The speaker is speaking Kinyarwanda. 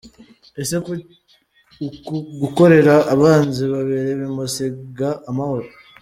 Ese uku gukorera abanzi babiri bimusiga amahoro?.